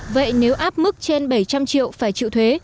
vậy nếu áp mức trên bảy trăm linh triệu phải chịu thuế